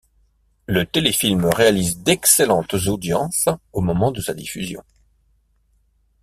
Le téléfilm réalise d'excellentes audiences au moment de sa diffusion.